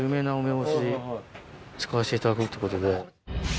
使わせていただくってことで。